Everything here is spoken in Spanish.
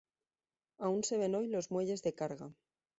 Aún se ven hoy los muelles de carga.